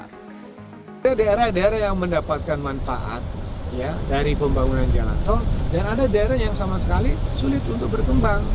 ada daerah daerah yang mendapatkan manfaat dari pembangunan jalan tol dan ada daerah yang sama sekali sulit untuk berkembang